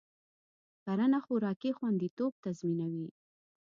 کرنه خوراکي خوندیتوب تضمینوي.